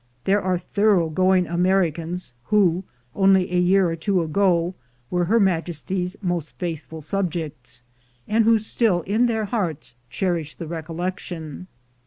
There are thorough going Americans who, only a year or two ago, were her Majesty's most faithful subjects, and who still in FRENCHMEN IN THE MINES 345 their hearts cherish the recollection.